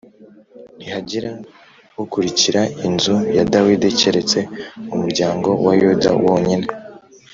ntihagira ukurikira inzu ya Dawidi, keretse umuryango wa Yuda wonyine